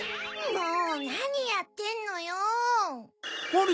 もうなにやってんのよ。